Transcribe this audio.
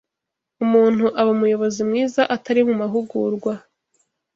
umuntu aba umuyobozi mwiza atari mumahugurwa